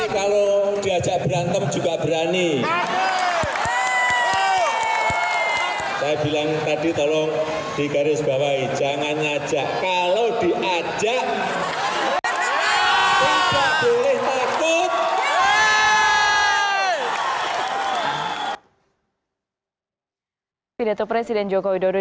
kalau diajak berantem juga berani